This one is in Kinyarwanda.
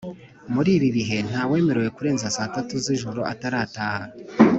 Muribibihe ntawemere kurenza saatatu zijoro atarataha